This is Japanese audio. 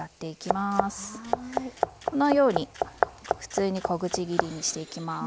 このように普通に小口切りにしていきます。